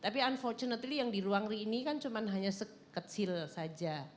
tapi unfortunately yang di ruang re ini kan cuma hanya sekecil saja